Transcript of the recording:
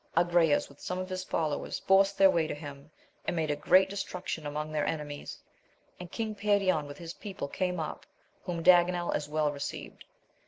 Agrayes with some of his followers forced their way to him, and made a great destruction among their eaemies ; and king Perion with his people came up, whom Daganel as well received.